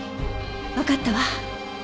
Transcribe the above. わかったわ。